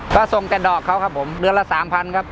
ก็ส่งแต่ดอกเขาครับผมเดือนละสามพันครับ